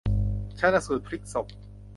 ชันสูตรพลิกศพ